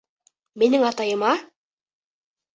Минең атайыма?